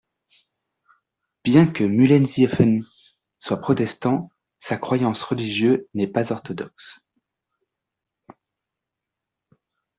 Bien que Müllensiefen soit protestant, sa croyance religieuse n'est pas orthodoxe.